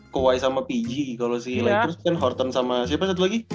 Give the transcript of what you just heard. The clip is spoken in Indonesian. kowai sama pg kalau si lakers kan horton sama siapa satu lagi